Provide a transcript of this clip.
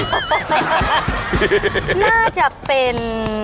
น่าจะเป็น